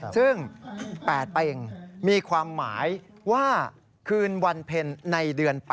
ซึ่ง๘เป็งมีความหมายว่าคืนวันเพ็ญในเดือน๘